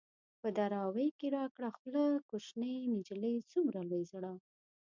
په دراوۍ کې را کړه خوله ـ کوشنۍ نجلۍ څومره لوی زړه